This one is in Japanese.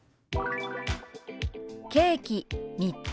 「ケーキ３つ」。